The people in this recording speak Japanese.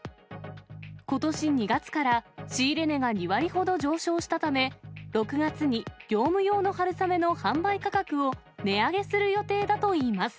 ことし２月から仕入れ値が２割ほど上昇したため、６月に業務用の春雨の販売価格を値上げする予定だといいます。